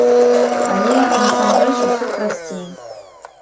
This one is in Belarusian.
Але насамрэч усё прасцей.